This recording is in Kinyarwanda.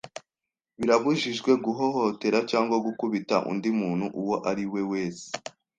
Birabujijwe guhohotera cyangwa gukubita undi muntu uwo ari we wese.